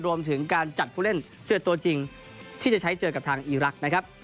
รวมถึงการจัดผู้เล่นเสื้อตัวจริงที่จะใช้เจอกับทางอีรักษ์นะครับ